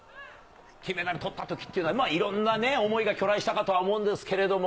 金メダルとったときなんていうのは、いろんなね、思いが去来したかとは思うんですけれども。